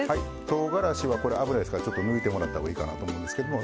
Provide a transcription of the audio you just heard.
とうがらしは危ないですからちょっと抜いてもらったほうがいいかなと思うんですけども。